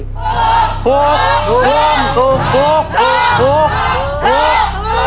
ถูกถูกถูกถูก